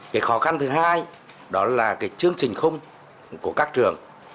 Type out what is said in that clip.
cái khó khăn thứ hai đó là cái chương trình khung của các trường